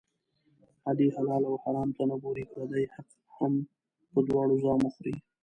علي حلال او حرام ته نه ګوري، پردی حق هم په دواړو زامو خوري.